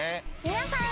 皆さん。